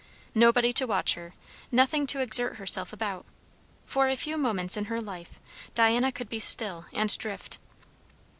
Nobody to watch her, nothing to exert herself about; for a few moments in her life, Diana could be still and drift.